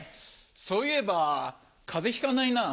そういえば風邪ひかないなぁ。